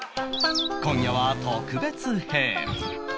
今夜は特別編